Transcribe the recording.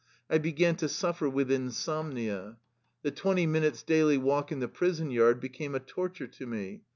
I began to suffer with insomnia. The twenty minutes' daily walk in the prison yard became a torture to me.